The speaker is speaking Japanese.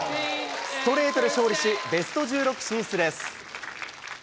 ストレートで勝利し、ベスト１６進出です。